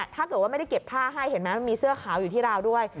ถ้าเกิดไม่ได้เก็บผ้าให้มีเสื้อข่าวอยู่ที่ราวด้วย